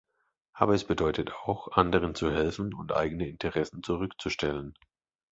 Aber es bedeutet auch, anderen zu helfen und eigene Interessen zurückzustellen.